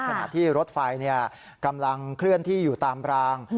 ขณะที่รถไฟกำลังเคลื่อนที่อยู่ตามราง